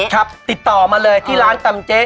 ครับติดต่อมาเลยที่ร้านตำเจ๊